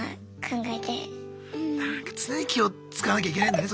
常に気を遣わなきゃいけないんだね